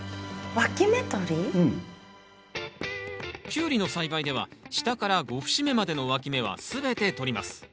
キュウリの栽培では下から５節目までのわき芽は全て取ります。